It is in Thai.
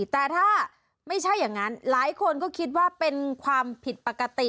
แต่ถ้าไม่ใช่อย่างนั้นหลายคนก็คิดว่าเป็นความผิดปกติ